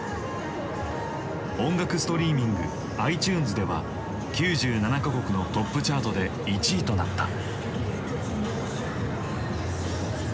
音楽ストリーミングｉＴｕｎｅｓでは９７か国のトップチャートで１位となった。